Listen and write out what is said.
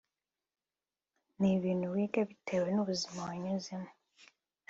ni ibintu wiga bitewe n’ubuzima wanyuzemo